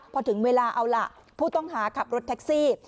พอถึงเวลาเอาล่ะผู้ต้องหาขับรถแท็กซี่